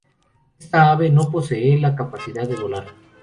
Esta ave no posee la capacidad de volar.